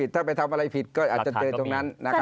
ถ้าไปทำอะไรผิดก็อาจจะเจอตรงนั้น